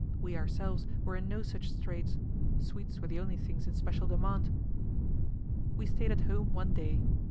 We ourselves were in no such straits; sweets were the only things in special demand. We stayed at home one day.